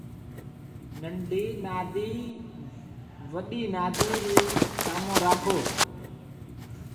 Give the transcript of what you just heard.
ننڊِي نادِي وڏِي نادِي رَي سامون راکو